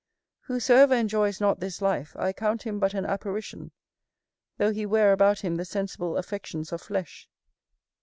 Whosoever enjoys not this life, I count him but an apparition, though he wear about him the sensible affections of flesh.